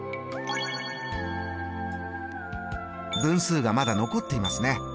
分数がまだ残っていますね。